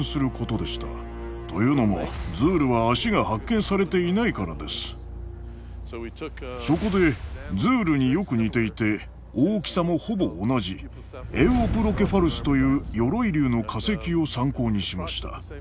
というのもズールは脚が発見されていないからです。そこでズールによく似ていて大きさもほぼ同じエウオプロケファルスという鎧竜の化石を参考にしました。